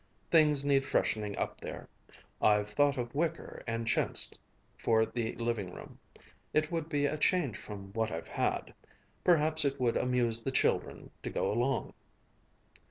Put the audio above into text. Things needs freshening up there. I've thought of wicker and chintz for the living room. It would be a change from what I've had. Perhaps it would amuse the children to go along?"